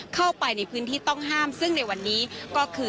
เข้าไปในพื้นที่ต้องห้ามซึ่งในวันนี้ก็คือ